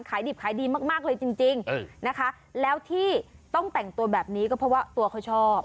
ดิบขายดีมากเลยจริงนะคะแล้วที่ต้องแต่งตัวแบบนี้ก็เพราะว่าตัวเขาชอบ